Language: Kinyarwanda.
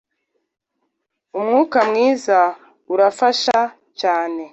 umwuka mwiza urafasha cyane